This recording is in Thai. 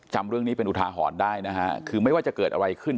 จำเรื่องนี้เป็นอุทาหรณ์ได้นะฮะคือไม่ว่าจะเกิดอะไรขึ้น